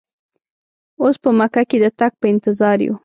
اوس په مکه کې د تګ په انتظار یو.